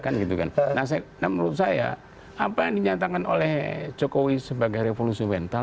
nah menurut saya apa yang dinyatakan oleh jokowi sebagai revolusi mental